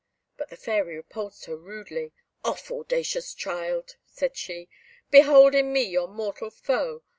But the Fairy repulsed her rudely: "Off! audacious child," said she. "Behold in me your mortal foe.